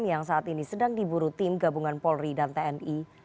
yang saat ini sedang diburu tim gabungan polri dan tni